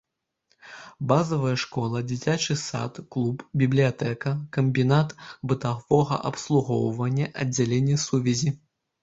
Базавая школа, дзіцячы сад, клуб, бібліятэка, камбінат бытавога абслугоўвання, аддзяленне сувязі.